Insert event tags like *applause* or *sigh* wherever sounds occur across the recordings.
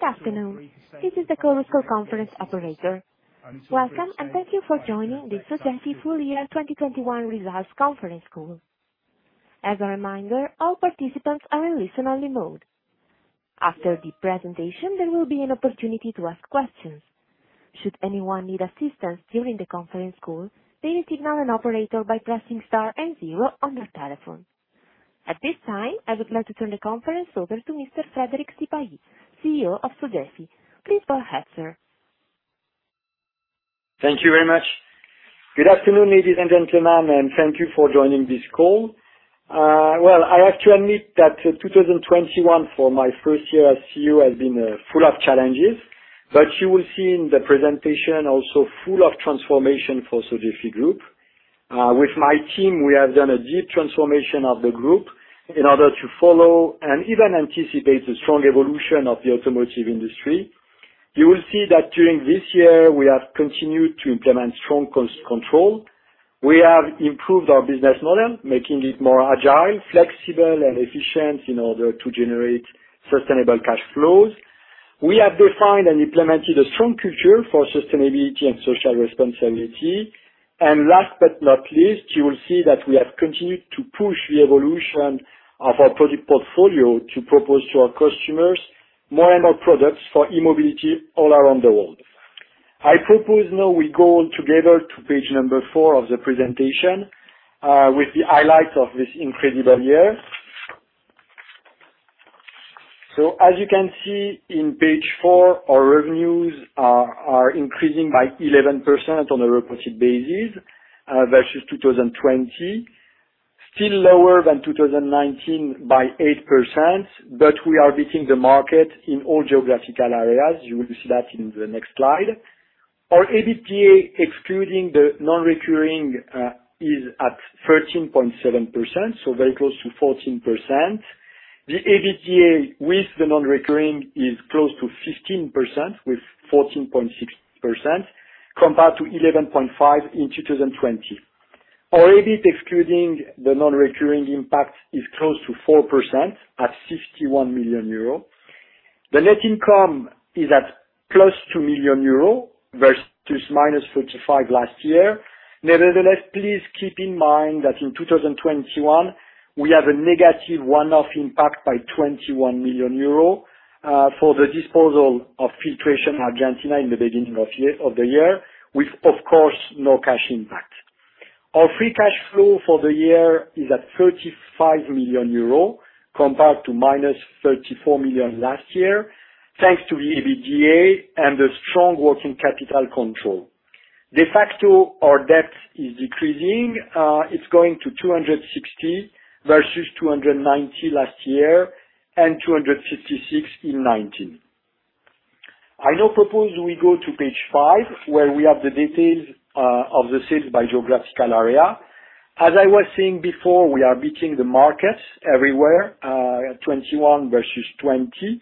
Good afternoon. This is the conference operator. Welcome, and thank you for joining the Sogefi full year 2021 results conference call. As a reminder, all participants are in listen only mode. After the presentation, there will be an opportunity to ask questions. Should anyone need assistance during the conference call, please signal an operator by pressing star and zero on your telephone. At this time, I would like to turn the conference over to Mr. Frédéric Sipahi, CEO of Sogefi. Please go ahead, sir. Thank you very much. Good afternoon, ladies and gentlemen, and thank you for joining this call. Well, I have to admit that 2021, for my first year as CEO, has been full of challenges, but you will see in the presentation also full of transformation for Sogefi group. With my team, we have done a deep transformation of the group in order to follow and even anticipate the strong evolution of the automotive industry. You will see that during this year we have continued to implement strong cost-control. We have improved our business model, making it more agile, flexible and efficient in order to generate sustainable cash flows. We have defined and implemented a strong culture for sustainability and social responsibility. Last but not least, you will see that we have continued to push the evolution of our product portfolio to propose to our customers more and more products for E-mobility all around the world. I propose now we go together to page four of the presentation, with the highlights of this incredible year. As you can see on page four, our revenues are increasing by 11% on a reported basis, versus 2020. Still lower than 2019 by 8%. We are beating the market in all geographical areas. You will see that in the next slide. Our EBITDA, excluding the non-recurring, is at 13.7%, so very close to 14%. The EBITDA with the non-recurring is close to 15%, with 14.6% compared to 11.5% in 2020. Our EBIT excluding the non-recurring impact is close to 4% at [51 million euro]. The net income is at +2 million euro versus -35 million last year. Nevertheless, please keep in mind that in 2021 we have a negative one-off impact by 21 million euro for the disposal of Filtration Argentina in the beginning of the year with of course no cash impact. Our free cash flow for the year is at 35 million euro compared to -34 million last year, thanks to the EBITDA and the strong working capital control. De facto, our debt is decreasing. It's going to 260 million versus 290 million last year and 256 million in 2019. I now propose we go to page five, where we have the details of the sales by geographical area. As I was saying before, we are beating the markets everywhere at 2021 versus 2020.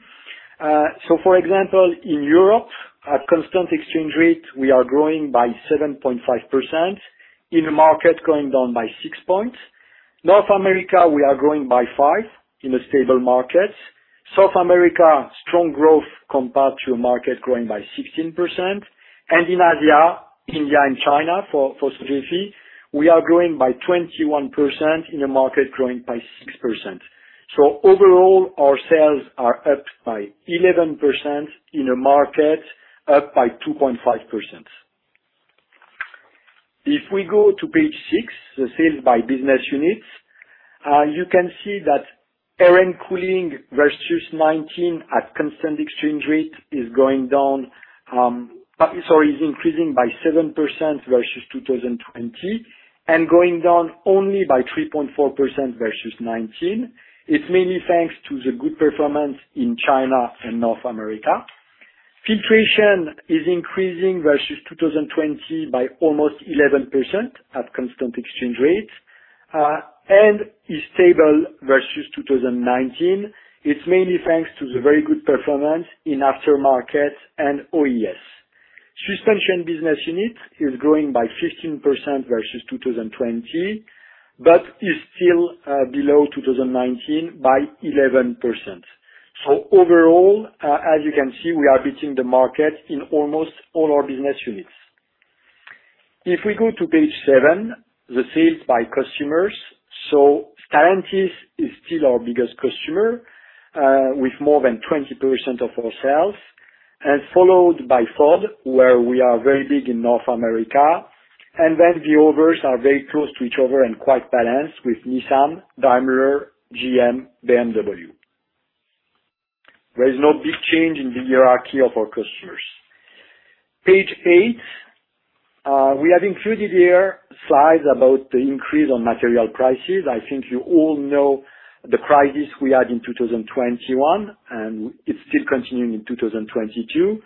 For example, in Europe, at constant exchange rate, we are growing by 7.5% in a market going down by 6%. North America, we are growing by 5% in a stable market. South America, strong growth compared to a market growing by 16%. In Asia, India, and China for Sogefi, we are growing by 21% in a market growing by 6%. Overall, our sales are up by 11% in a market up by 2.5%. If we go to page six, the sales by business units, you can see that Air and Cooling versus 2019 at constant exchange rate is increasing by 7% versus 2020 and going down only by 3.4% versus 2019. It's mainly thanks to the good performance in China and North America. Filtration is increasing versus 2020 by almost 11% at constant exchange rates and is stable versus 2019. It's mainly thanks to the very good performance in aftermarket and OES. Suspension business unit is growing by 15% versus 2020, but is still below 2019 by 11%. Overall, as you can see, we are beating the market in almost all our business units. If we go to page seven, the sales by customers. Stellantis is still our biggest customer, with more than 20% of our sales, and followed by Ford, where we are very big in North America. Then the others are very close to each other and quite balanced with Nissan, Daimler, GM, BMW. There is no big change in the hierarchy of our customers. Page eight. We have included here slides about the increase on material prices. I think you all know the crisis we had in 2021, and it's still continuing in 2022.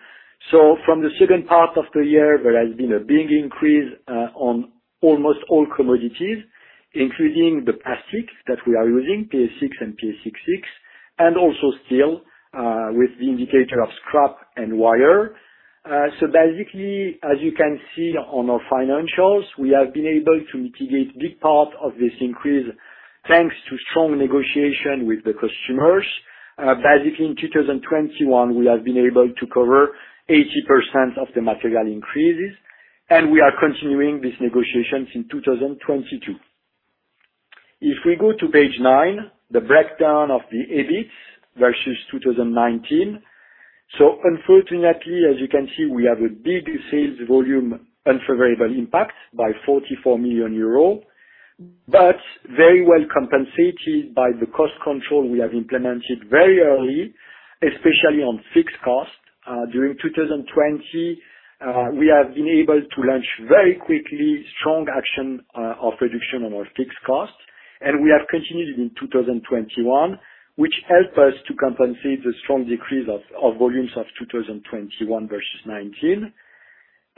From the second part of the year, there has been a big increase on almost all commodities, including the plastics that we are using, PA6 and PA66, and also steel with the indicator of scrap and wire. Basically, as you can see on our financials, we have been able to mitigate big part of this increase thanks to strong negotiation with the customers. Basically in 2021, we have been able to cover 80% of the material increases, and we are continuing these negotiations in 2022. If we go to page nine, the breakdown of the EBIT versus 2019. Unfortunately, as you can see, we have a big sales volume unfavorable impact by 44 million euro, but very well compensated by the cost control we have implemented very early, especially on fixed cost. During 2020, we have been able to launch very quickly strong action of reduction on our fixed cost, and we have continued in 2021, which help us to compensate the strong decrease of volumes of 2021 versus 2019.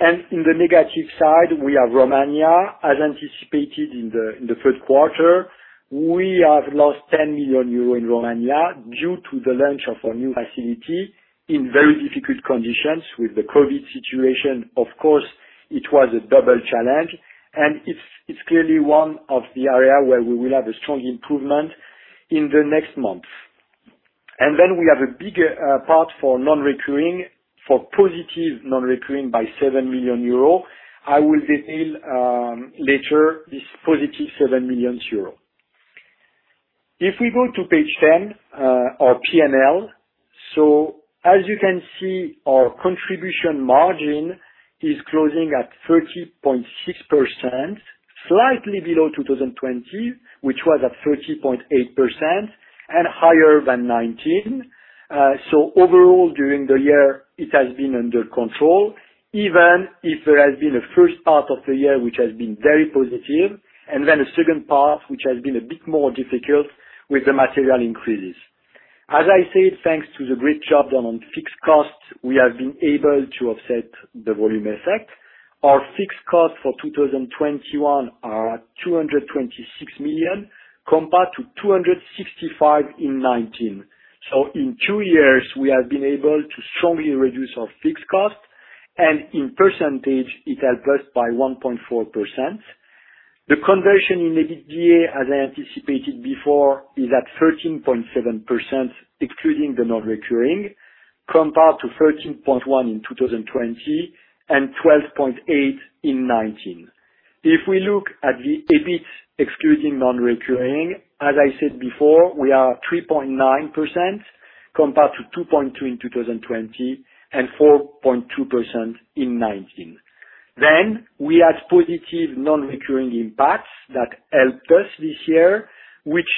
In the negative side, we have Romania, as anticipated in the first quarter. We have lost 10 million euro in Romania due to the launch of a new facility in very difficult conditions with the COVID situation. Of course, it was a double challenge, and it's clearly one of the area where we will have a strong improvement in the next months. Then we have a big part for non-recurring, for positive non-recurring by 7 million euro. I will detail later this +7 million euro. If we go to page 10, our P&L. As you can see, our contribution margin is closing at 30.6%, slightly below 2020, which was at 30.8% and higher than 2019. Overall, during the year, it has been under control, even if there has been a first part of the year, which has been very positive, and then a second part, which has been a bit more difficult with the material increases. As I said, thanks to the great job done on fixed costs, we have been able to offset the volume effect. Our fixed costs for 2021 are at 226 million, compared to 265 million in 2019. In two years, we have been able to strongly reduce our fixed cost, and in percentage it helped us by 1.4%. The conversion in EBITDA, as I anticipated before, is at 13.7%, excluding the non-recurring, compared to 13.1% in 2020 and 12.8% in 2019. If we look at the EBIT excluding non-recurring, as I said before, we are 3.9% compared to 2.2% in 2020 and 4.2% in 2019. We have positive non-recurring impacts that helped us this year, which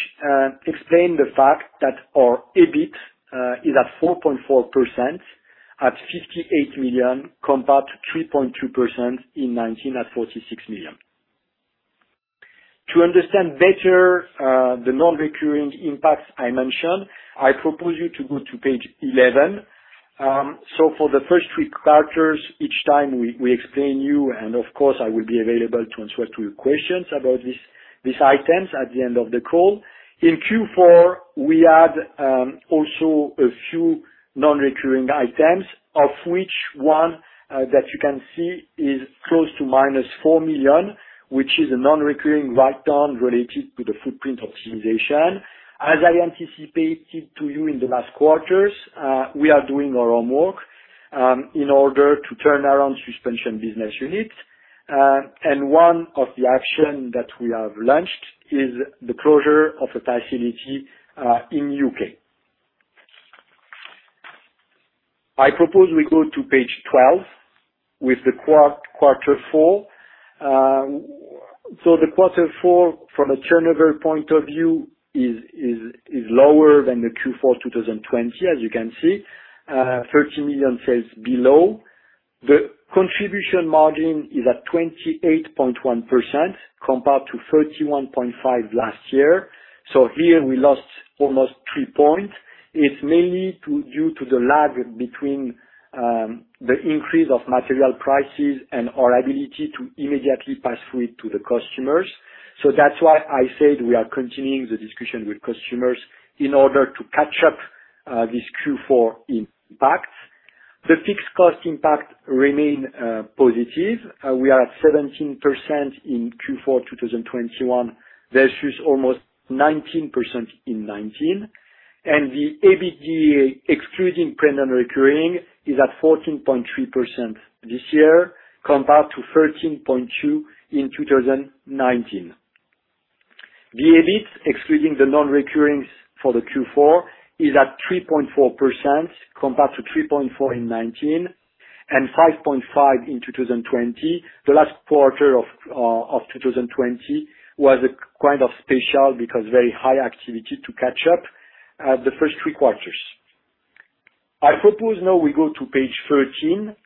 explain the fact that our EBIT is at 4.4% at 58 million, compared to 3.2% in 2019 at 46 million. To understand better the non-recurring impacts I mentioned, I propose you to go to page 11. For the first three quarters, each time we explained to you, and of course, I will be available to answer to your questions about these items at the end of the call. In Q4, we had also a few non-recurring items, of which one that you can see is close to -4 million, which is a non-recurring write-down related to the footprint optimization. As I anticipated to you in the last quarters, we are doing our homework in order to turn around Suspension business units. One of the action that we have launched is the closure of a facility in U.K. I propose we go to page 12 with the quarter four. The quarter four from a turnover point of view is lower than the Q4 2020, as you can see, 13 million sales below. The contribution margin is at 28.1% compared to 31.5% last year. Here we lost almost 3 points. It's mainly due to the lag between the increase of material prices and our ability to immediately pass through to the customers. That's why I said we are continuing the discussion with customers in order to catch up this Q4 impact. The fixed cost impact remain positive. We are at 17% in Q4 2021 versus almost 19% in 2019. The EBITDA excluding non-recurring is at 14.3% this year compared to 13.2% in 2019. The EBIT, excluding the non-recurring for the Q4, is at 3.4% compared to 3.4% in 2019 and 5.5% in 2020. The last quarter of 2020 was kind of special because very high activity to catch up the first three quarters. I propose now we go to page 13.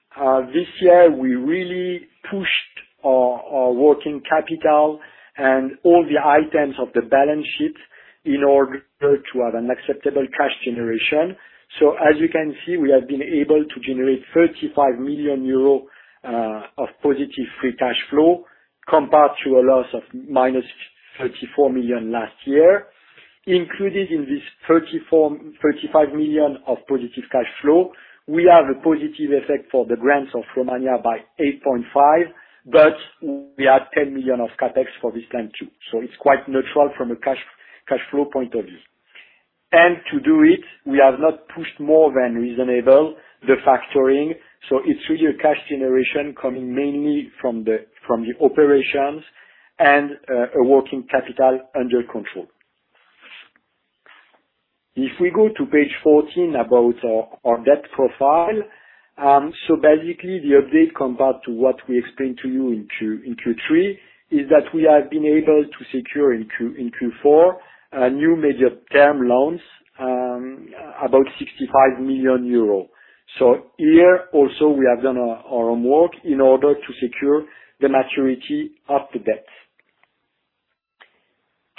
This year, we really pushed our working capital and all the items of the balance sheet in order to have an acceptable cash generation. As you can see, we have been able to generate 35 million euro of positive free cash flow compared to a loss of -34 million last year. Included in this 35 million of positive cash flow, we have a positive effect for the grants of Romania by 8.5 million, but we have 10 million of CapEx for this time too. It's quite neutral from a cash flow point of view. To do it, we have not pushed more than reasonable the factoring. It's really a cash generation coming mainly from the operations and a working capital under control. If we go to page 14 about our debt profile. Basically the update compared to what we explained to you in Q3 is that we have been able to secure in Q4 new major term loans about 65 million euro. Here also, we have done our homework in order to secure the maturity of the debt.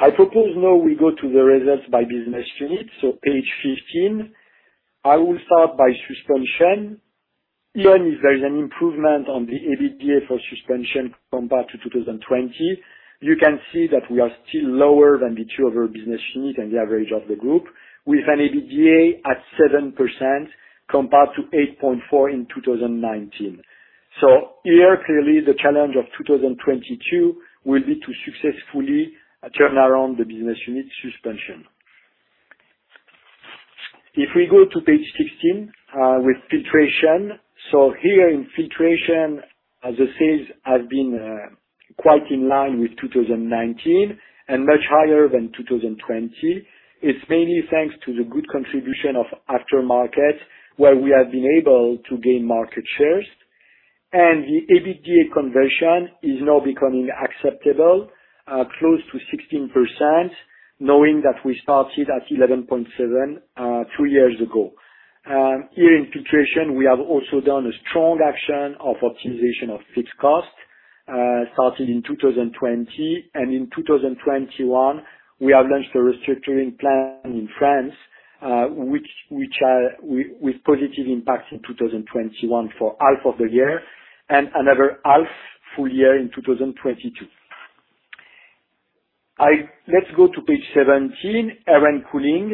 I propose now we go to the results by business unit, page 15. I will start by Suspension. Even if there is an improvement on the EBITDA for Suspension compared to 2020, you can see that we are still lower than the two other business unit and the average of the group with an EBITDA at 7% compared to 8.4% in 2019. Here, clearly the challenge of 2022 will be to successfully turn around the business unit Suspension. If we go to page 16 with Filtration. Here in Filtration, the sales have been quite in line with 2019 and much higher than 2020. It's mainly thanks to the good contribution of aftermarket, where we have been able to gain market shares, and the EBITDA conversion is now becoming acceptable close to 16%, knowing that we started at 11.7% two years ago. Here in Filtration we have also done a strong action of optimization of fixed cost started in 2020. In 2021, we have launched a restructuring plan in France, which with positive impact in 2021 for half of the year and another half full year in 2022. Let's go to page 17, Air and Cooling.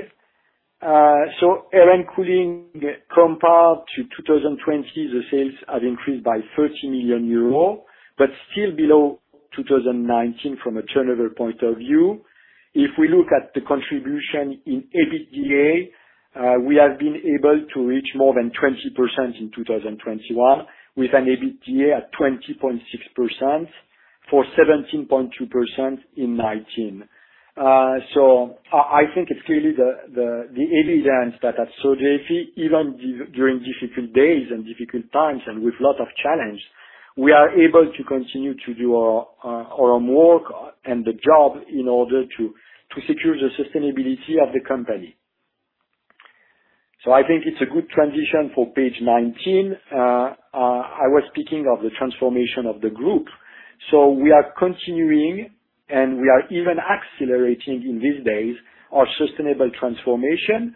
Air and Cooling compared to 2020, the sales have increased by 30 million euros, but still below 2019 from a turnover point of view. If we look at the contribution in EBITDA, we have been able to reach more than 20% in 2021, with an EBITDA at 20.6%, for 17.2% in 2019. I think it's clearly the evidence that at Sogefi, even during difficult days and difficult times and with lot of challenge, we are able to continue to do our homework and the job in order to secure the sustainability of the company. I think it's a good transition for page 19. I was speaking of the transformation of the group. We are continuing, and we are even accelerating in these days, our sustainable transformation.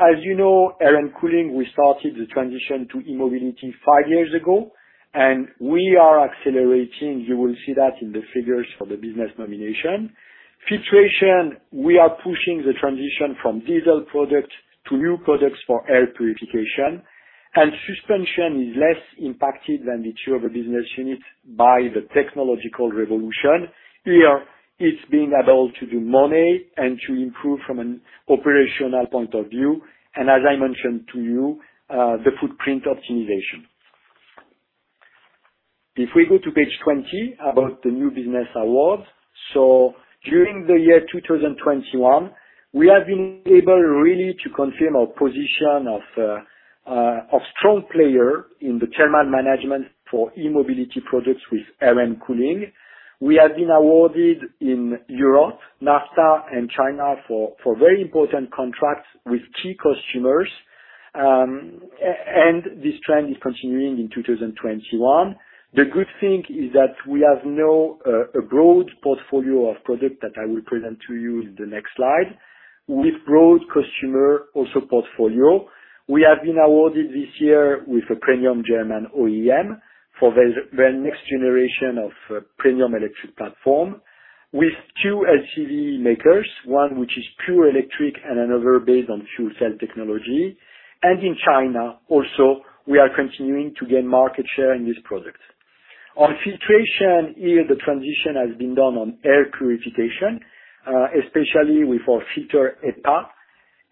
As you know, Air and Cooling, we started the transition to E-mobility five years ago, and we are accelerating. You will see that in the figures for the business nomination. Filtration, we are pushing the transition from diesel products to new products for air purification, and Suspension is less impacted than the 2 other business units by the technological revolution. Here it's being able to do more and to improve from an operational point of view, and as I mentioned to you, the footprint optimization. If we go to page 20 about the new business awards. During the year 2021, we have been able really to confirm our position of strong player in the thermal management for E-mobility products with Air and Cooling. We have been awarded in Europe, NAFTA and China for very important contracts with key customers, and this trend is continuing in 2021. The good thing is that we have now a broad portfolio of products that I will present to you in the next slide. With broad customer also portfolio, we have been awarded this year with a premium German OEM for the next generation of premium electric platform with two LCV makers, one which is pure electric and another based on fuel cell technology. In China also, we are continuing to gain market share in this product. On Filtration, here the transition has been done on air purification, especially with our HEPA filter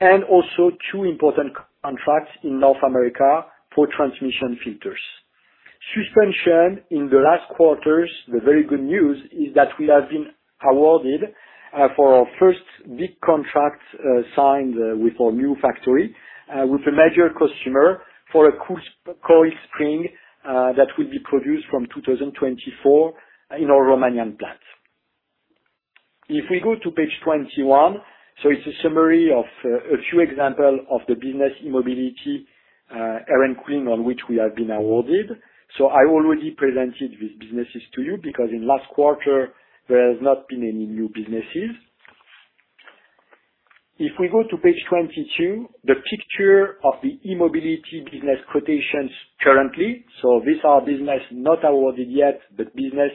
and also two important contracts in North America for transmission filters. Suspension, in the last quarters, the very good news is that we have been awarded for our first big contract signed with our new factory with a major customer for a coil spring that will be produced from 2024 in our Romanian plant. If we go to page 21. It's a summary of a few example of the business E-mobility, Air and Cooling on which we have been awarded. I already presented these businesses to you because in last quarter there has not been any new businesses. If we go to page 22, the picture of the E-mobility business quotations currently. This our business not awarded yet, but business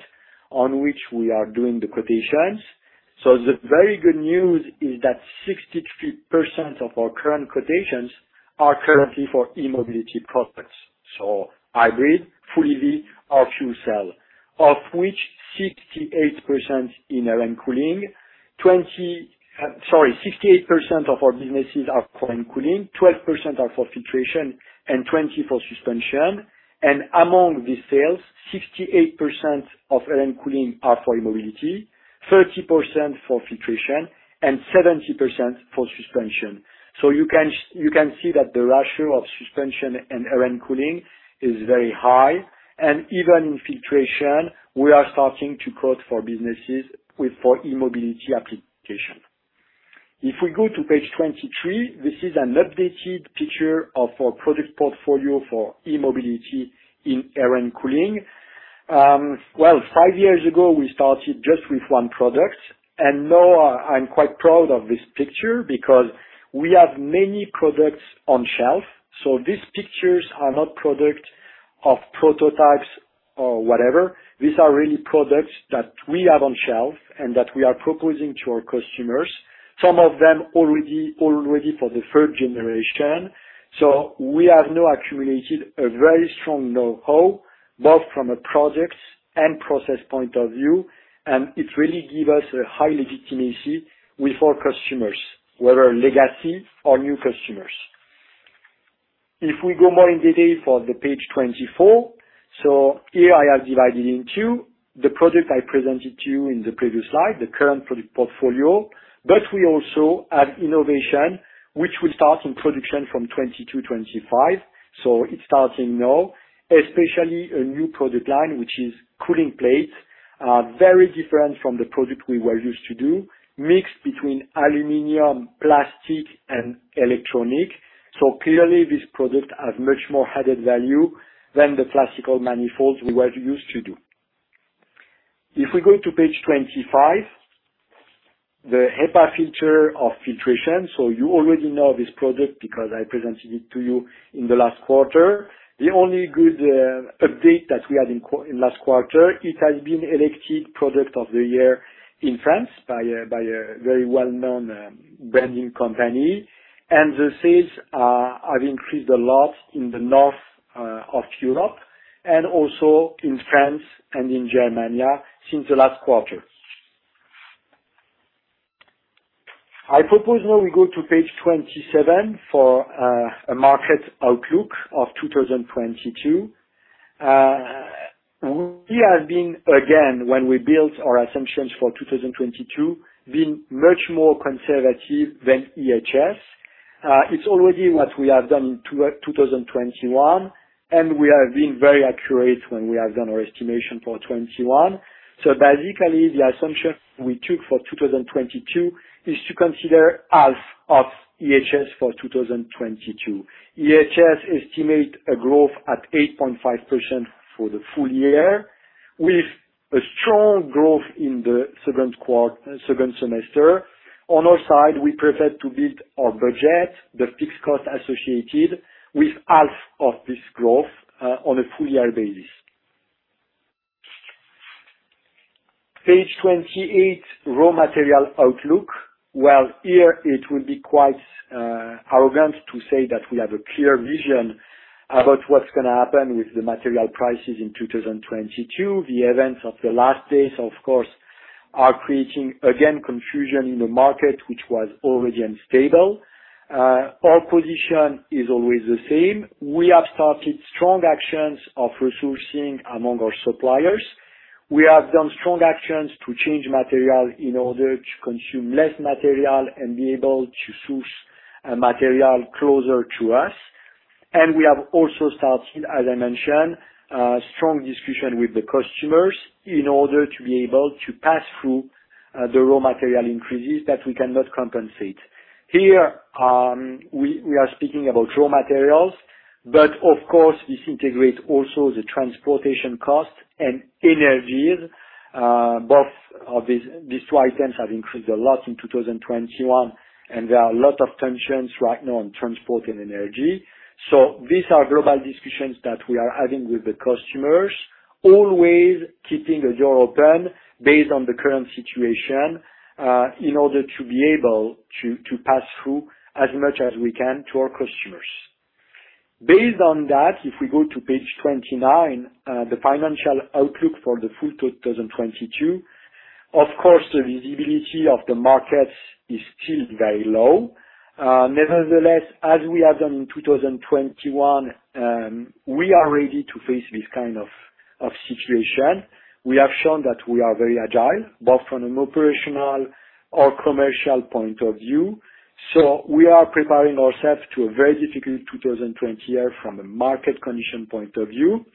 on which we are doing the quotations. The very good news is that 63% of our current quotations are currently for E-mobility products. Hybrid, [full EV], or fuel cell, of which 68% in Air and Cooling, 20, sorry, 68% of our businesses are for Air and Cooling, 12% are for Filtration, and 20% for Suspension. Among the sales, 68% of Air and Cooling are for E-mobility, 30% for Filtration, and 70% for Suspension. You can see that the ratio of Suspension and Air and Cooling is very high. Even in Filtration, we are starting to quote for businesses for E-mobility application. If we go to page 23, this is an updated picture of our product portfolio for E-mobility in Air and Cooling. Five years ago, we started just with one product. Now I'm quite proud of this picture because we have many products on shelf. These pictures are not product of prototypes or whatever. These are really products that we have on shelf and that we are proposing to our customers, some of them already for the third generation. We have now accumulated a very strong know-how, both from a project and process point of view, and it really give us a high legitimacy with our customers, whether legacy or new customers. If we go more in detail for the page 24, here I have divided in two the product I presented to you in the previous slide, the current product portfolio. We also have innovation, which will start in production from 2022 to 2025. It's starting now, especially a new product line, which is cooling plates, very different from the product we were used to do, mixed between aluminum, plastic, and electronic. Clearly this product has much more added value than the classical manifolds we were used to do. If we go to page 25, the HEPA filter of Filtration. You already know this product because I presented it to you in the last quarter. The only good update that we had in last quarter, it has been elected Product of the Year in France by a very well-known branding company. The sales have increased a lot in the north of Europe and also in France and in Germany since the last quarter. I propose now we go to page 27 for a market outlook of 2022. We have been again when we built our assumptions for 2022 much more conservative than [IHS]. It's already what we have done 2021, and we have been very accurate when we have done our estimation for 2021. Basically the assumption we took for 2022 is to consider half of [IHS] for 2022. [IHS] estimate a growth at 8.5% for the full year, with a strong growth in the second semester. On our side, we prefer to build our budget, the fixed cost associated with half of this growth, on a full year basis. Page 28, raw material outlook. Well, here it would be quite arrogant to say that we have a clear vision about what's gonna happen with the material prices in 2022. The events of the last days, of course, are creating, again, confusion in the market, which was already unstable. Our position is always the same. We have started strong actions of resourcing among our suppliers. We have done strong actions to change material in order to consume less material and be able to source material closer to us. We have also started, as I mentioned, strong discussion with the customers in order to be able to pass through the raw material increases that we cannot compensate. Here, we are speaking about raw materials, but of course, this integrates also the transportation costs and energies. Both of these two items have increased a lot in 2021, and there are a lot of tensions right now on transport and energy. These are global discussions that we are having with the customers, always keeping a door open based on the current situation, in order to be able to pass through as much as we can to our customers. Based on that, if we go to page 29, the financial outlook for the full 2022. Of course, the visibility of the markets is still very low. Nevertheless, as we have done in 2021, we are ready to face this kind of situation. We have shown that we are very agile, both from an operational or commercial point of view. We are preparing ourselves to a very difficult 2020 year from a market condition point of view.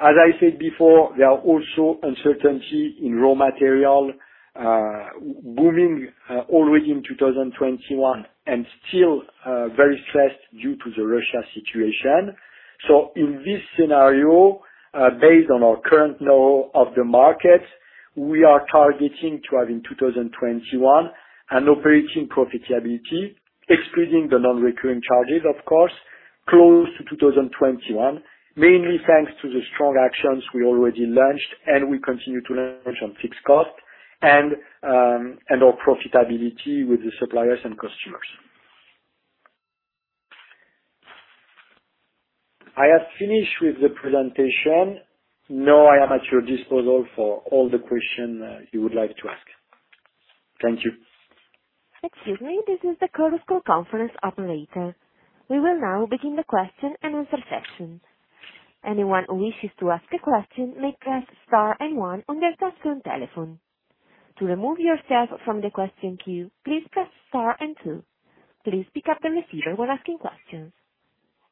As I said before, there is also uncertainty in raw materials moving already in 2021 and still very stressed due to the Russian situation. In this scenario, based on our current knowledge of the market, we are targeting to have in 2021 an operating profitability excluding the non-recurring charges, of course, close to 2021. Mainly, thanks to the strong actions we already launched and we continue to launch on fixed costs and our profitability with the suppliers and customers. I have finished with the presentation. Now, I am at your disposal for all the questions you would like to ask. Thank you. Excuse me. This is the conference call operator. We will now begin the question and answer session. Anyone who wishes to ask a question may press star and one on their touch-tone telephone. To remove yourself from the question queue, please press star and two. Please pick up the receiver when asking questions.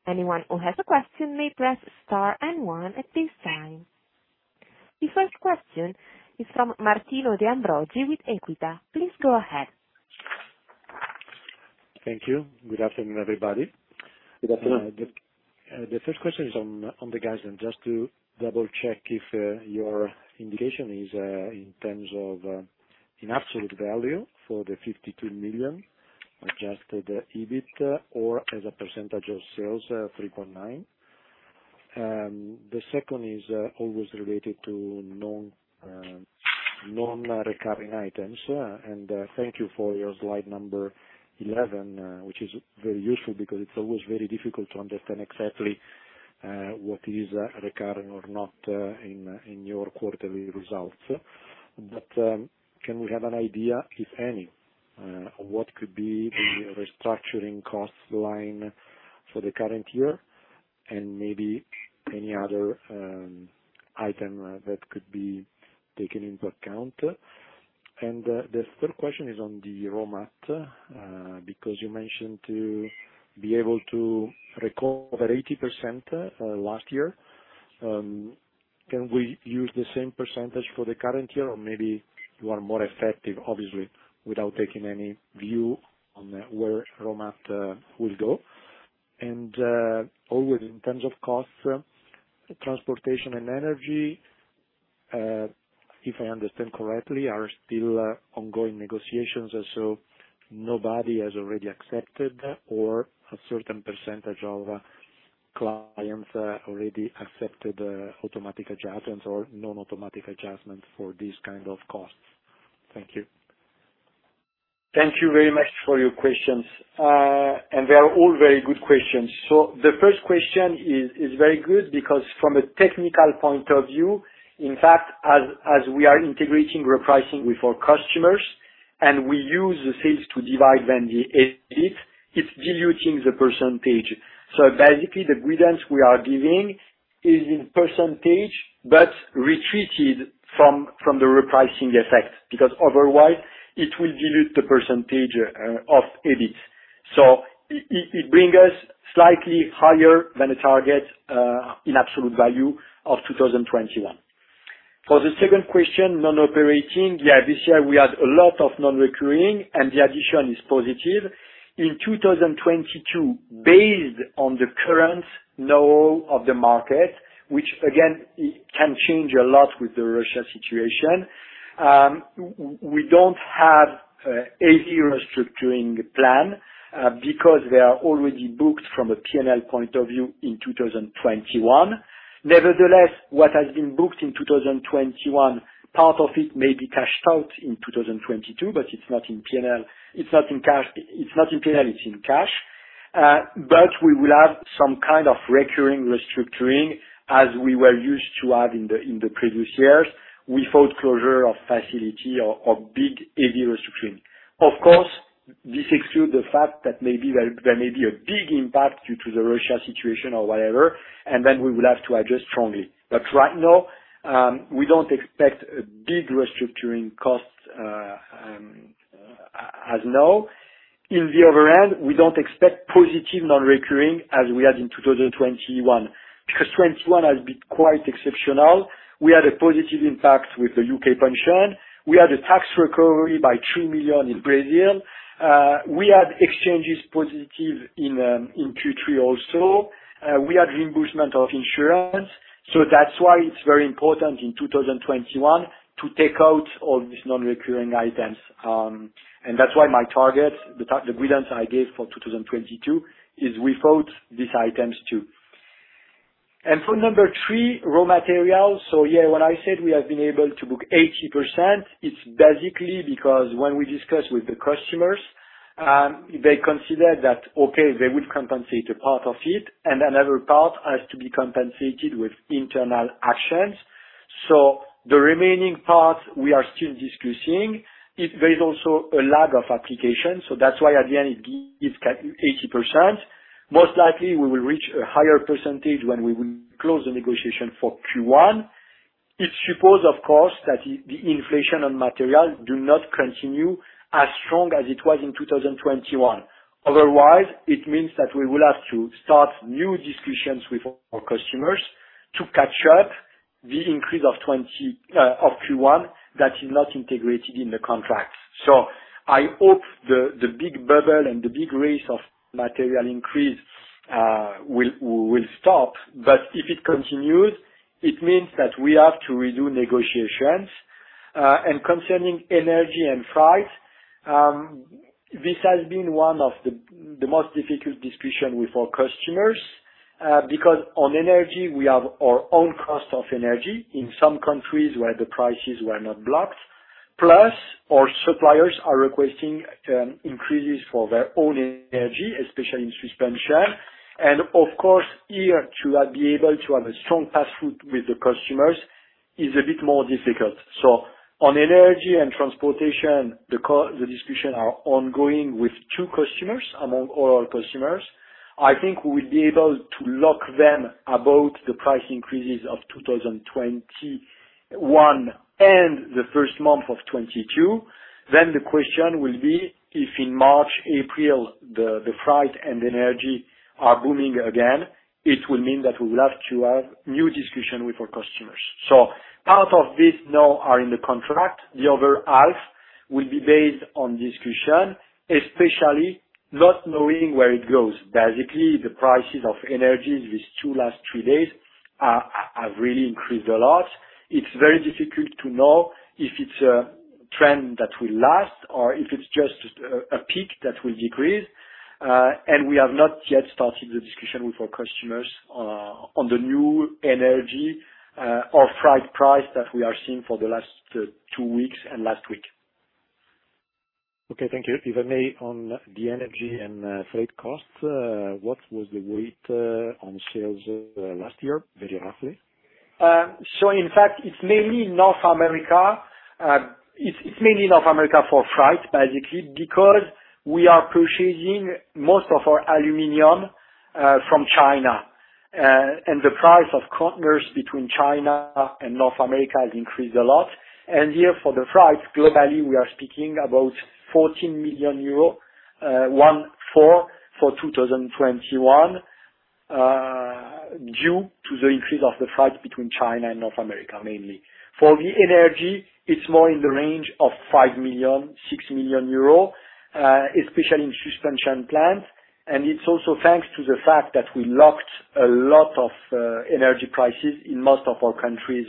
Anyone who has a question may press star and one at this time. The first question is from Martino De Ambroggi with Equita. Please go ahead. Thank you. Good afternoon, everybody. Good afternoon. The first question is on the guidance, just to double check if your indication is in terms of absolute value for the 52 million adjusted EBIT or as a percentage of sales 3.9%. The second is always related to non-recurring items. Thank you for your slide number 11, which is very useful because it's always very difficult to understand exactly what is recurring or not in your quarterly results. Can we have an idea, if any, what could be the restructuring cost line for the current year and maybe any other item that could be taken into account? The third question is on the raw materials because you mentioned to be able to recover 80% last year. Can we use the same percentage for the current year? Or maybe you are more effective, obviously, without taking any view on where raw mat will go. Always in terms of costs, transportation and energy, if I understand correctly, are still ongoing negotiations, so nobody has already accepted or a certain percentage of clients already accepted automatic adjustments or non-automatic adjustment for these kind of costs. Thank you. Thank you very much for your questions. They are all very good questions. The first question is very good because from a technical point of view, in fact, as we are integrating repricing with our customers and we use the sales to divide then the EBIT, it's diluting the percentage. Basically the guidance we are giving is in percentage, but retreated from the repricing effect because otherwise it will dilute the percentage of EBIT. It bring us slightly higher than the target in absolute value of 2021. For the second question, non-operating. Yeah. This year we had a lot of non-recurring, and the addition is positive. In 2022, based on the current knowledge of the market, which again can change a lot with the Russia situation, we don't have any restructuring plan because they are already booked from a P&L point of view in 2021. Nevertheless, what has been booked in 2021, part of it may be cashed out in 2022, but it's not in P&L. It's not in cash. It's not in P&L, it's in cash. We will have some kind of recurring restructuring as we were used to have in the previous years, without closure of facility or big [AG] restructuring. Of course, this excludes the fact that maybe there may be a big impact due to the Russia situation or whatever, and then we will have to adjust strongly. Right now, we don't expect a big restructuring cost as of now. On the other hand, we don't expect positive non-recurring as we had in 2021, because 2021 has been quite exceptional. We had a positive impact with the U.K. pension. We had a tax recovery of 2 million in Brazil. We had exchanges positive in Q3 also. We had reimbursement of insurance. That's why it's very important in 2021 to take out all these non-recurring items. That's why my target, the guidance I gave for 2022 is without these items too. For number three, raw materials. Yeah, when I said we have been able to book 80%, it's basically because when we discuss with the customers, they consider that, okay, they would compensate a part of it, and another part has to be compensated with internal actions. The remaining part we are still discussing. There is also a lag of application. That's why at the end it's at 80%. Most likely we will reach a higher percentage when we will close the negotiation for Q1. It supposes of course that the inflation on materials does not continue as strong as it was in 2021. Otherwise, it means that we will have to start new discussions with our customers to catch up the increase of 20% of Q1 that is not integrated in the contract. I hope the big bubble and the big rise of material increase will stop. If it continues, it means that we have to redo negotiations. Concerning energy and price, this has been one of the most difficult discussion with our customers, because on energy, we have our own cost of energy in some countries where the prices were not blocked, plus our suppliers are requesting increases for their own energy, especially in Suspension. Of course, here to be able to have a strong pass-through with the customers is a bit more difficult. On energy and transportation, the discussion are ongoing with two customers among all our customers. I think we will be able to lock them about the price increases of 2021 and the first month of 2022. The question will be if in March, April, the prices and energy are booming again, it will mean that we will have to have new discussion with our customers. Part of this now are in the contract. The other half will be based on discussion, especially not knowing where it goes. Basically, the prices of energy these last two, three days have really increased a lot. It's very difficult to know if it's a trend that will last or if it's just a peak that will decrease. We have not yet started the discussion with our customers on the new energy or freight price that we are seeing for the last two weeks and last week. Okay, thank you. If I may, on the energy and freight costs, what was the weight on sales last year, very roughly? In fact it's mainly North America. It's mainly North America for freight, basically, because we are purchasing most of our aluminum from China. The price of containers between China and North America has increased a lot. Here for the freight, globally, we are speaking about 14 million euro, 14 for 2021, due to the increase of the freight between China and North America, mainly. For the energy, it's more in the range of 5 million-6 million euro, especially in Suspension plants. It's also thanks to the fact that we locked a lot of energy prices in most of our countries.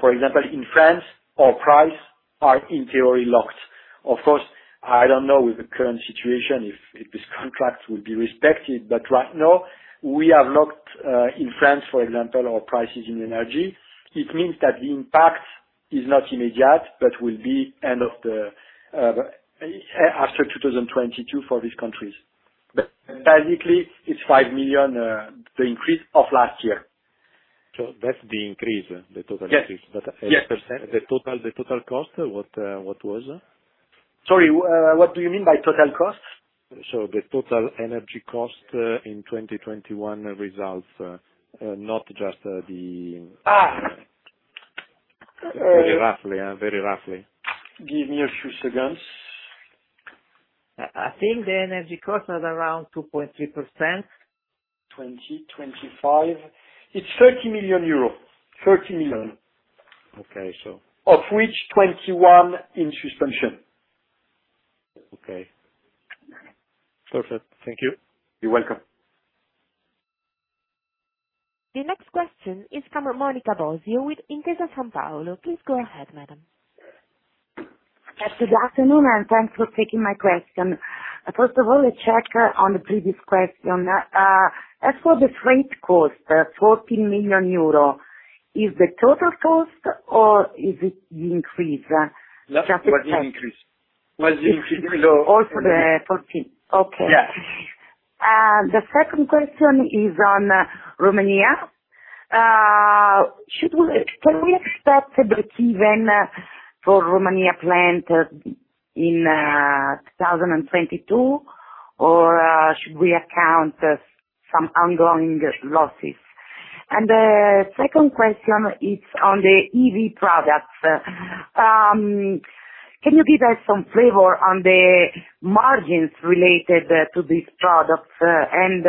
For example, in France our price are in theory locked. Of course, I don't know with the current situation if this contract will be respected, but right now we have locked in France, for example, our prices in energy. It means that the impact is not immediate, but will be end of the year after 2022 for these countries. Basically, it's 5 million, the increase of last year. That's the increase, the total increase? Yes. Yes. As a percent, the total cost, what was? Sorry, what do you mean by total cost? The total energy cost in 2021 results *audio distortion* not just... Ah. Very roughly. Give me a few seconds. I think the energy cost was around 2.3%. 2025. It's 30 million euro. 30 million. Okay, so- Of which, 21 million in Suspension. Okay. Perfect. Thank you. You're welcome. The next question is from Monica Bosio with Intesa Sanpaolo. Please go ahead, madam. Good afternoon, and thanks for taking my question. First of all, a check on the previous question. As for the freight cost, 14 million euro, is the total cost or is it the increase? Just to check. That was the increase. Also the EUR 14 million? Yes. Okay. The second question is on Romania. Can we expect a breakeven for Romania plant in 2022, or should we account some ongoing losses? The second question is on the EV products. Can you give us some flavor on the margins related to these products? And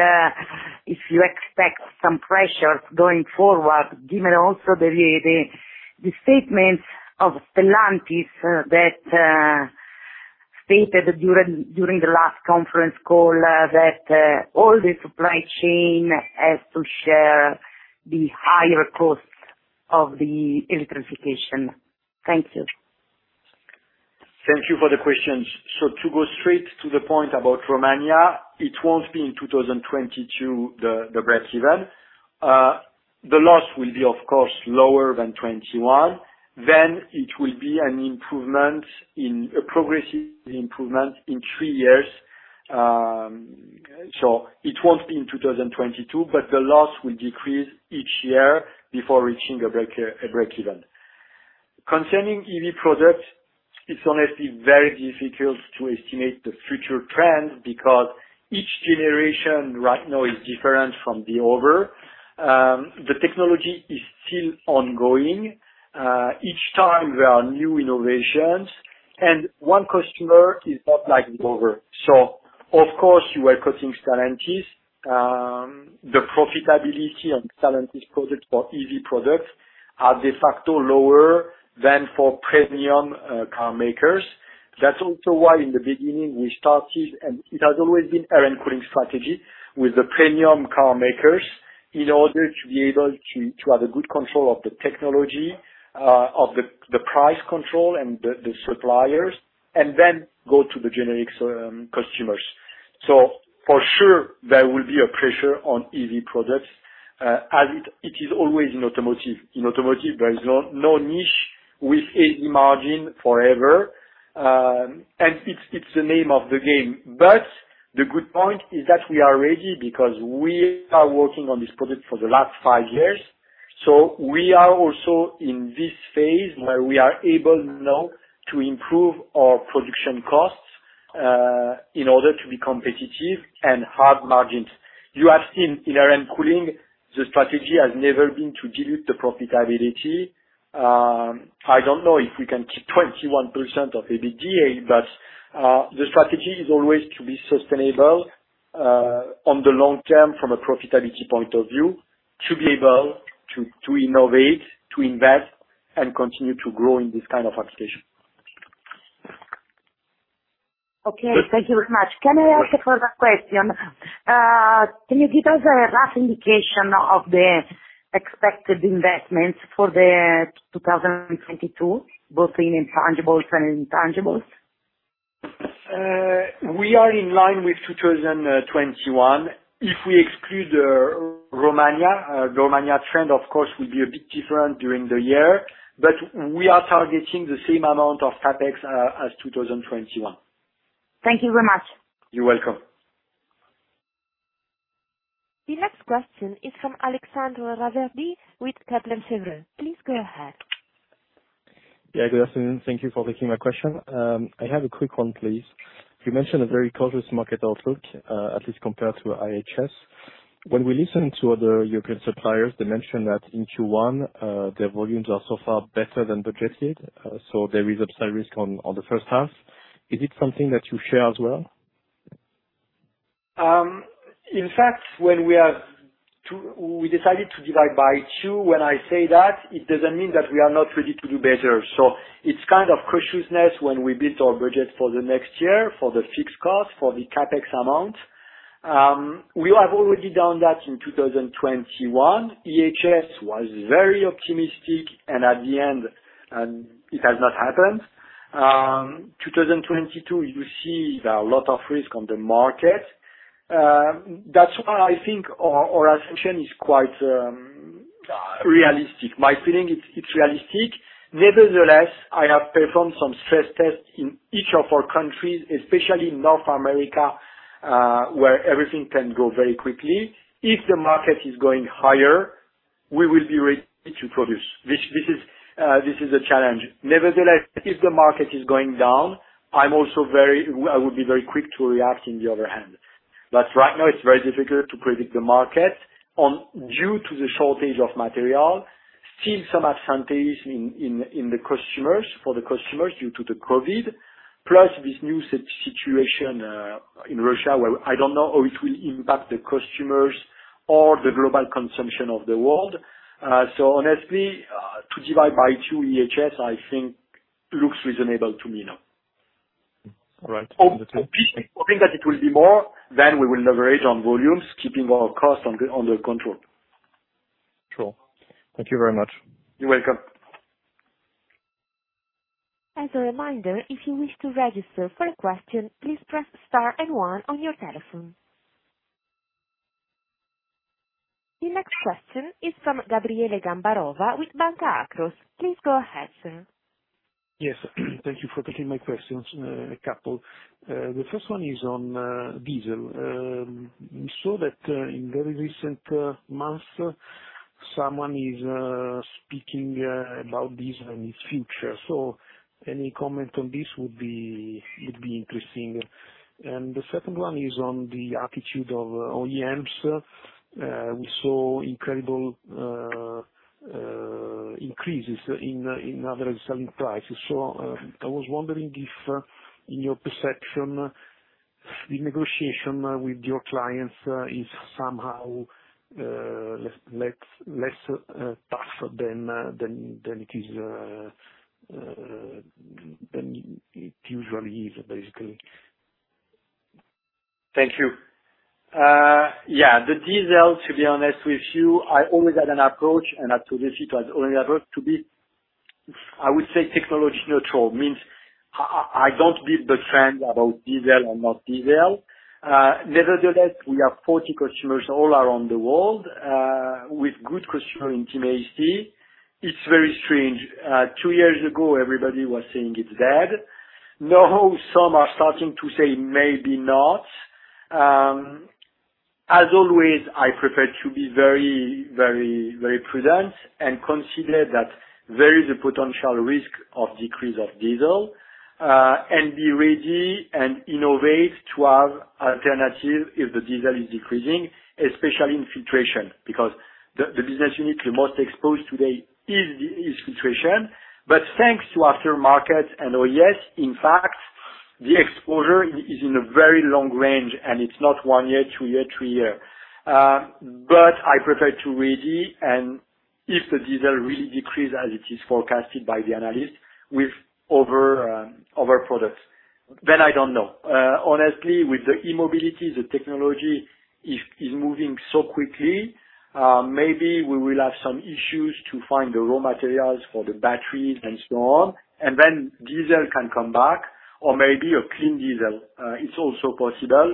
if you expect some pressures going forward, given also the statement of Stellantis that stated during the last conference call that all the supply chain has to share the higher costs of the electrification. Thank you. Thank you for the questions. To go straight to the point about Romania, it won't be in 2022, the breakeven. The loss will be of course lower than 2021. It will be an improvement in a progressive improvement in three years. It won't be in 2022, but the loss will decrease each year before reaching a breakeven. Concerning EV products, it's honestly very difficult to estimate the future trends because each generation right now is different from the other. The technology is still ongoing. Each time there are new innovations. One customer is not like the other. Of course you are cutting synergies. The profitability on synergies product or EV products are de facto lower than for premium car makers. That's also why in the beginning we started, and it has always been Air and Cooling strategy with the premium car makers, in order to be able to have a good control of the technology, of the price control and the suppliers, and then go to the generic customers. For sure there will be a pressure on EV products, as it is always in automotive. In automotive there is no niche with EV margin forever. It's the name of the game. The good point is that we are ready because we are working on this product for the last five years. We are also in this phase where we are able now to improve our production costs, in order to be competitive and have margins. You have seen in Air and Cooling, the strategy has never been to dilute the profitability. I don't know if we can keep 21% of EBITDA, but the strategy is always to be sustainable on the long term from a profitability point of view. To be able to innovate, to invest, and continue to grow in this kind of application. Okay. Thank you very much. Can I ask a further question? Can you give us a rough indication of the expected investments for 2022, both in intangibles and tangibles? We are in line with 2021. If we exclude Romania trend of course will be a bit different during the year. We are targeting the same amount of CapEx as 2021. Thank you very much. You're welcome. The next question is from Alexandre Raverdy with Kepler Cheuvreux. Please go ahead. Yeah, good afternoon. Thank you for taking my question. I have a quick one, please. You mentioned a very cautious market outlook, at least compared to [IHS]. When we listen to other European suppliers, they mention that in Q1, their volumes are so far better than budgeted, so there is upside risk on the first half. Is it something that you share as well? In fact, we decided to divide by two. When I say that, it doesn't mean that we are not ready to do better. It's kind of cautiousness when we built our budget for the next year, for the fixed cost, for the CapEx amount. We have already done that in 2021. [IHS] was very optimistic and at the end, and it has not happened. 2022, you see there are a lot of risk on the market. That's why I think our assumption is quite realistic. My feeling, it's realistic. Nevertheless, I have performed some stress tests in each of our countries, especially North America, where everything can grow very quickly. If the market is growing higher, we will be ready to produce. This is a challenge. Nevertheless, if the market is going down, I'm also very I would be very quick to react on the other hand. Right now it's very difficult to predict the market due to the shortage of material. Still some advantage in the customers, for the customers due to the COVID. Plus this new situation in Russia where I don't know how it will impact the customers or the global consumption of the world. So honestly, to divide by two [IHS], I think looks reasonable to me now. All right. We'll be hoping that it will be more, then we will leverage on volumes, keeping our costs under control. Sure. Thank you very much. You're welcome. As a reminder, if you wish to register for a question, please press star and one on your telephone. The next question is from Gabriele Gambarova with Banca Akros. Please go ahead, sir. Yes. Thank you for taking my questions, a couple. The first one is on diesel. We saw that in very recent months, someone is speaking about diesel and its future. Any comment on this would be interesting. The second one is on the attitude of OEMs. We saw incredible increases in average selling prices. I was wondering if, in your perception, the negotiation with your clients is somehow less tough than it usually is, basically. Thank you. The diesel, to be honest with you, I always had an approach, and up to this it has only ever to be, I would say technology neutral. Means I don't beat the trend about diesel or not diesel. Nevertheless we have 40 customers all around the world with good customer intimacy. It's very strange. Two years ago everybody was saying it's dead. Now, some are starting to say maybe not. As always, I prefer to be very prudent and consider that there is a potential risk of decrease of diesel and be ready and innovate to have alternative if the diesel is decreasing, especially in Filtration. Because the business unit the most exposed today is Filtration. Thanks to aftermarket and OES, in fact, the exposure is in a very long range, and it's not one year, two year, three year. I prefer to be ready, and if the diesel really decreases as it is forecasted by the analysts with other products, then I don't know. Honestly, with the E-mobility, the technology is moving so quickly, maybe we will have some issues to find the raw materials for the batteries and so on, and then diesel can come back, or maybe a clean diesel is also possible.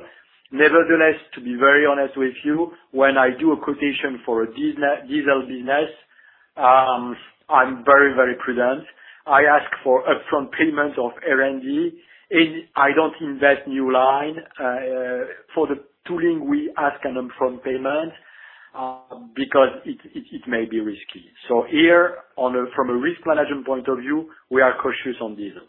Nevertheless, to be very honest with you, when I do a quotation for a diesel business, I'm very prudent. I ask for upfront payment of R&D, and I don't invest new line. For the tooling, we ask an upfront payment, because it may be risky. From a risk management point of view, we are cautious on diesel.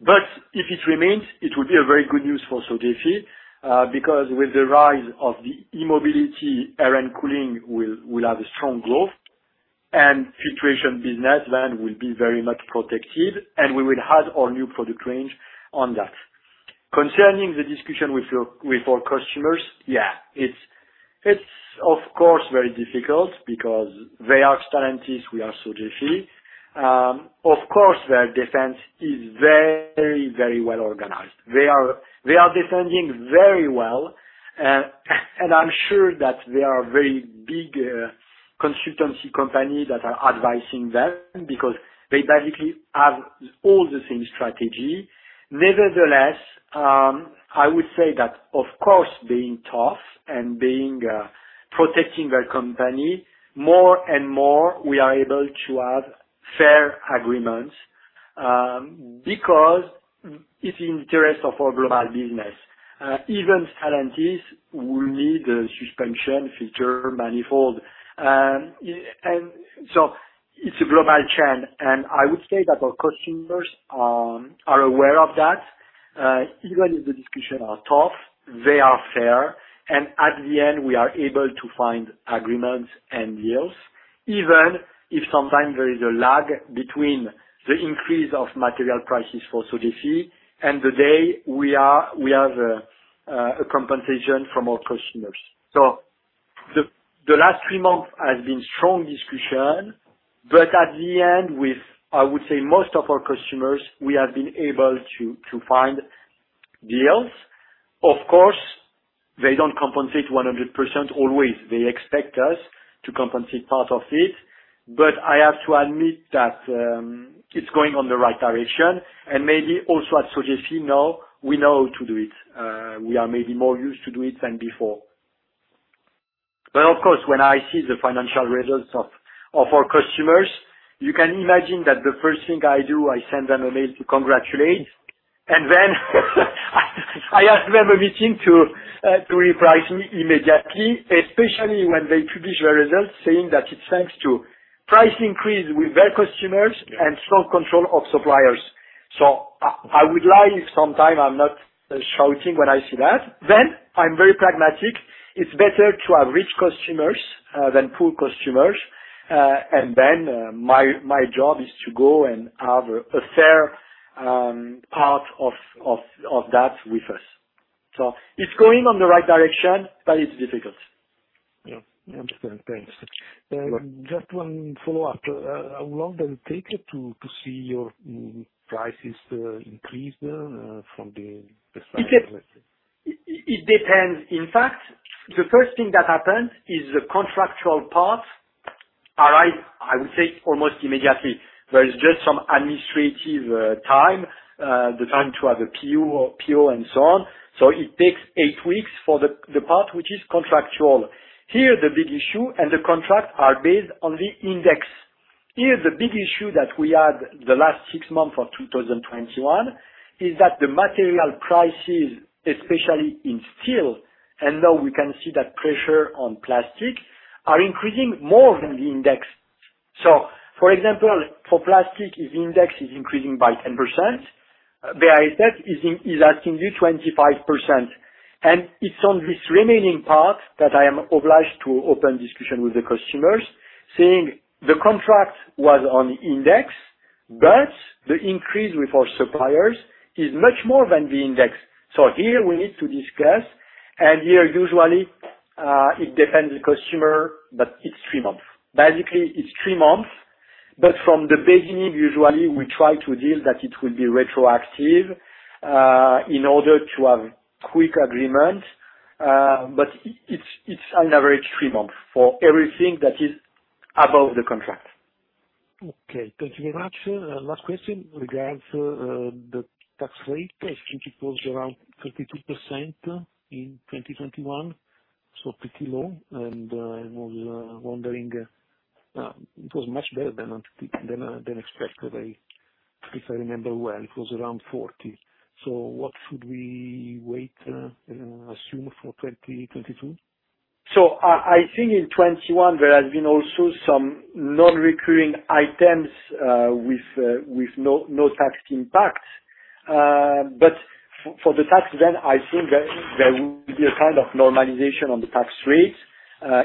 If it remains, it would be a very good news for Sogefi, because with the rise of the E-mobility, Air and Cooling will have a strong growth and Filtration business then will be very much protected, and we will add our new product range on that. Concerning the discussion with our customers, yeah, it's of course very difficult because they are Stellantis, we are Sogefi. Of course their defense is very well organized. They are defending very well, and I'm sure that there are very big consultancy companies that are advising them because they basically have all the same strategy. Nevertheless, I would say that of course being tough and protecting their company, more and more we are able to have fair agreements, because it's in interest of our global business. Even Stellantis will need a suspension filter manifold. It's a global trend, and I would say that our customers are aware of that. Even if the discussions are tough, they are fair, and at the end we are able to find agreements and deals, even if sometimes there is a lag between the increase of material prices for Sogefi and the day we have a compensation from our customers. The last three months has been strong discussion, but at the end with, I would say, most of our customers, we have been able to find deals. Of course, they don't compensate 100% always. They expect us to compensate part of it. I have to admit that it's going in the right direction, and maybe also at Sogefi now, we know to do it. We are maybe more used to do it than before. Of course, when I see the financial results of our customers, you can imagine that the first thing I do, I send them an email to congratulate. Then I ask them for a meeting to reprice immediately, especially when they publish their results saying that it's thanks to price increase with their customers and strong control of suppliers. I would lie if sometimes I'm not shouting when I see that. I'm very pragmatic. It's better to have rich customers than poor customers. My job is to go and have a fair part of that with us. It's going on the right direction, but it's difficult. Yeah. I understand. Thanks. You're welcome. Just one follow-up. How long does it take you to see your prices increase then from the start? It depends. In fact, the first thing that happens is the contractual part arrives, I would say, almost immediately. There is just some administrative time, the time to have a PO and so on. It takes eight weeks for the part which is contractual. Here, the big issue is that the contracts are based on the index. Here, the big issue that we had the last six months of 2021 is that the material prices, especially in steel, and now we can see that pressure on plastic, are increasing more than the index. For example, for plastic, if the index is increasing by 10%, the ISF is asking you 25%. It's on this remaining part that I am obliged to open discussion with the customers, saying the contract was on index, but the increase with our suppliers is much more than the index. Here we need to discuss, and here usually, it depends on the customer, but it's three months. Basically, it's three months, but from the beginning, usually, we try to deal that it will be retroactive, in order to have quick agreement. It's on average three months for everything that is above the contract. Okay. Thank you very much. Last question regards the tax rate. I think it was around 32% in 2021, so pretty low. I was wondering it was much better than expected. If I remember well, it was around 40%. What should we expect and assume for 2022? I think in 2021 there has been also some non-recurring items with no tax impact. For the tax then, I think that there will be a kind of normalization on the tax rate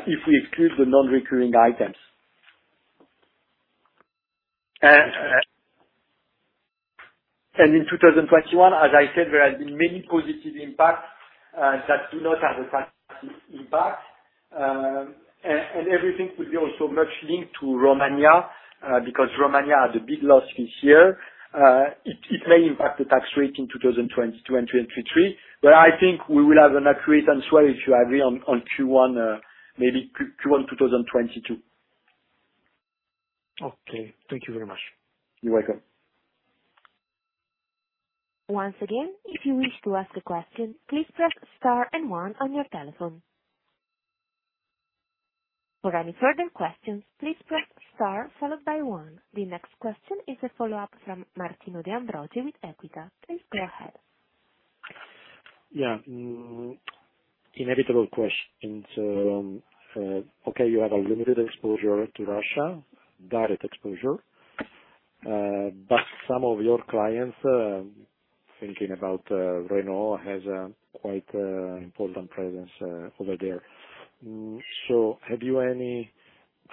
if we exclude the non-recurring items. In 2021, as I said, there have been many positive impacts that do not have a tax impact. And everything will be also much linked to Romania because Romania had a big loss this year. It may impact the tax rate in 2022 and 2023, but I think we will have an accurate answer, if you agree, on Q1, maybe Q1 2022. Okay. Thank you very much. You're welcome. Once again, if you wish to ask a question, please press star and one on your telephone. For any further questions, please press star followed by one. The next question is a follow-up from Martino De Ambroggi with Equita. Please go ahead. Inevitable questions. You have a limited exposure to Russia, direct exposure. Some of your clients, thinking about Renault, has a quite important presence over there. Have you any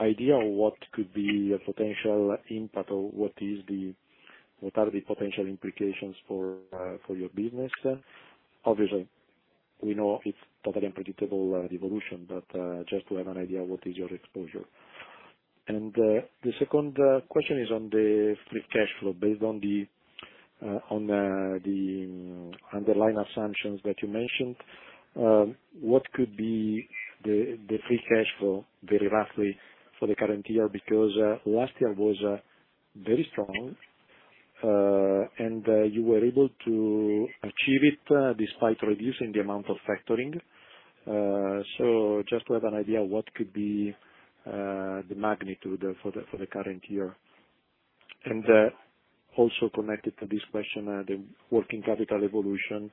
idea on what could be a potential impact or what are the potential implications for your business? Obviously, we know it's totally unpredictable evolution, but just to have an idea, what is your exposure? The second question is on the free cash flow. Based on the line assumptions that you mentioned, what could be the free cash flow very roughly for the current year? Because last year was very strong. You were able to achieve it despite reducing the amount of factoring. Just to have an idea, what could be the magnitude for the current year? Also connected to this question, the working capital evolution,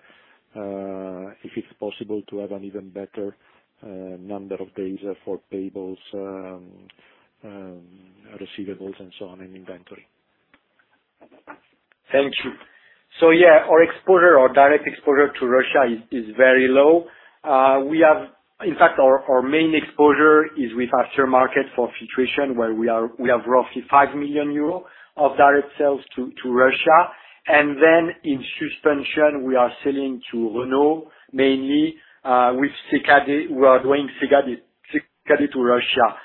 if it's possible to have an even better number of days for payables, receivables and so on in inventory. Thank you. Yeah, our exposure or direct exposure to Russia is very low. In fact, our main exposure is with aftermarket for Filtration, where we have roughly 5 million euro of direct sales to Russia. Then in Suspension, we are selling to Renault mainly, with CKD. We are doing CKD to Russia.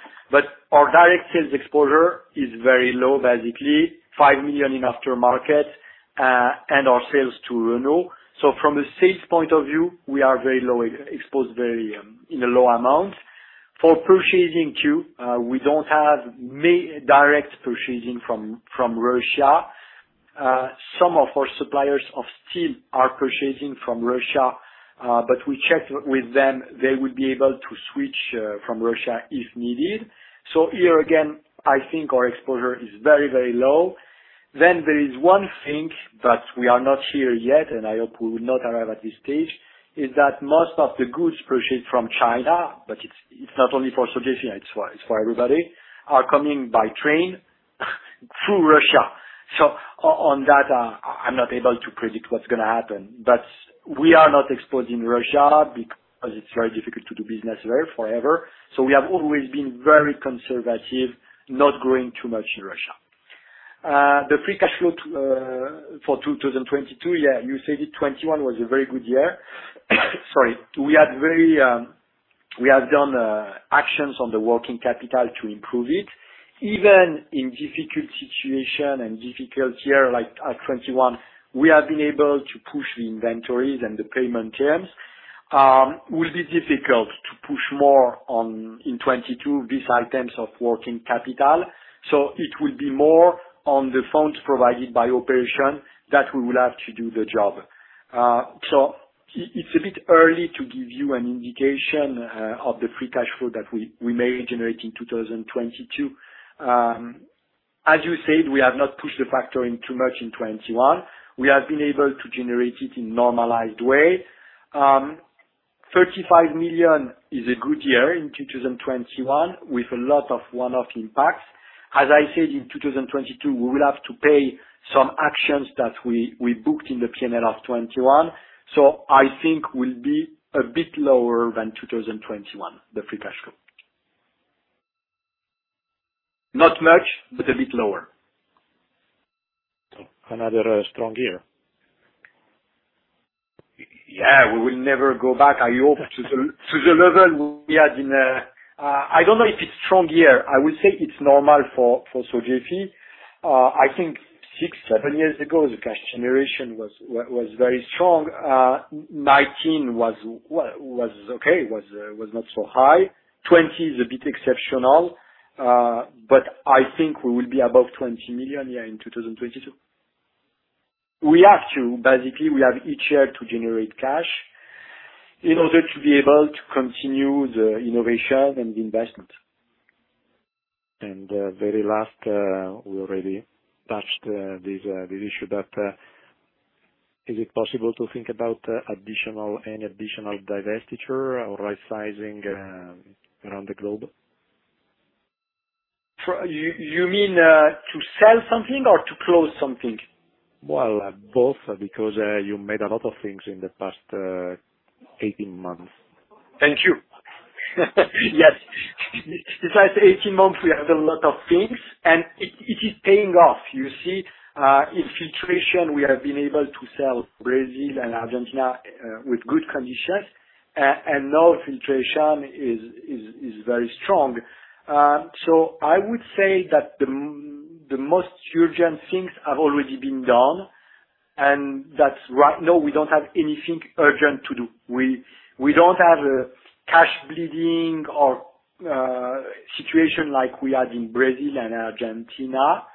Our direct sales exposure is very low, basically 5 million in aftermarket, and our sales to Renault. From the sales point of view, we are very low exposed very in a low amount. For purchasing too, we don't have direct purchasing from Russia. Some of our suppliers of steel are purchasing from Russia, but we checked with them, they would be able to switch from Russia if needed. Here again, I think our exposure is very, very low. There is one thing, but we are not here yet, and I hope we will not arrive at this stage, is that most of the goods purchased from China, but it's not only for Sogefi, it's for everybody, are coming by train through Russia. On that, I'm not able to predict what's gonna happen. We are not exposed in Russia because it's very difficult to do business there forever. We have always been very conservative, not growing too much in Russia. The free cash flow for 2022, yeah, you said it, 2021 was a very good year. Sorry. We had very, we have done actions on the working capital to improve it. Even in difficult situation and difficult year like 2021, we have been able to push the inventories and the payment terms. It will be difficult to push more on in 2022 these items of working capital, so it will be more on the funds provided by operations that we will have to do the job. So it's a bit early to give you an indication of the free cash flow that we may generate in 2022. As you said, we have not pushed the factoring too much in 2021. We have been able to generate it in normalized way. 35 million is a good year in 2021 with a lot of one-off impacts. As I said, in 2022 we will have to pay some accruals that we booked in the P&L of 2021. I think we'll be a bit lower than 2021, the free cash flow. Not much, but a bit lower. Another strong year. Yeah. We will never go back, I hope, to the level we had in... I don't know if it's strong year. I will say it's normal for Sogefi. I think six, seven years ago, the cash generation was very strong. 2019 was okay, was not so high. 2020 is a bit exceptional. But I think we will be above 20 million, yeah, in 2022. We have to. Basically, we have each year to generate cash in order to be able to continue the innovation and the investment. Very last, we already touched this issue, but is it possible to think about any additional divestiture or rightsizing around the globe? You mean to sell something or to close something? Well, both because you made a lot of things in the past 18 months. Thank you. Yes. In the last 18 months, we have a lot of things and it is paying off. You see, in Filtration, we have been able to sell Brazil and Argentina with good conditions. And now Filtration is very strong. I would say that the most urgent things have already been done, and that's right. No, we don't have anything urgent to do. We don't have a cash-bleeding situation like we had in Brazil and Argentina.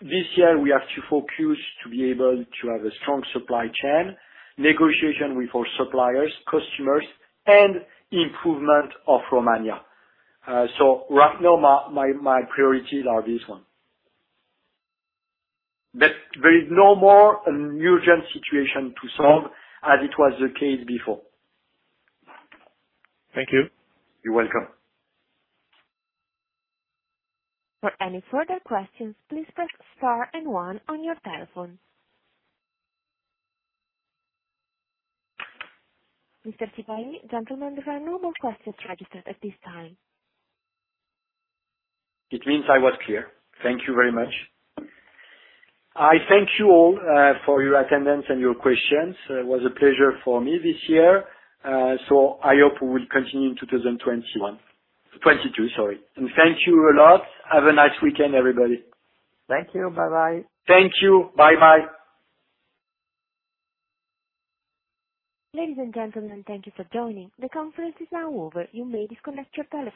This year we have to focus to be able to have a strong supply chain, negotiation with our suppliers, customers, and improvement of Romania. Right now my priorities are this one. There is no more an urgent situation to solve as it was the case before. Thank you. You're welcome. For any further questions, please press star and one on your telephone. Mr. Sipahi, gentlemen, there are no more questions registered at this time. It means I was clear. Thank you very much. I thank you all for your attendance and your questions. It was a pleasure for me this year, so I hope we will continue in 2021. 2022, sorry. Thank you a lot. Have a nice weekend, everybody. Thank you. Bye-bye. Thank you. Bye-bye. Ladies and gentlemen, thank you for joining. The conference is now over. You may disconnect your telephones.